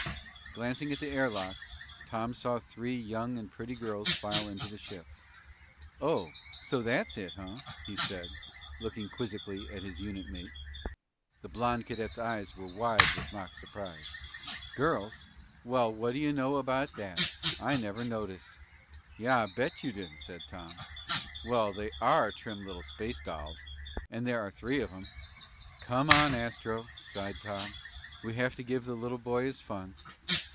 Glancing at the air lock, Tom saw three young and pretty girls file into the ship. "Oh, so that's it, huh?" he said, looking quizzically at his unit mate. [Illustration: Tom saw three pretty girls board the ship] The blond cadet's eyes were wide with mock surprise. "Girls? Well, what do you know about that? I never noticed!" "Yeah, I'll bet you didn't!" said Tom. "Well, they are trim little space dolls. And there are three of them!" "Come on, Astro," sighed Tom. "We have to give the little boy his fun."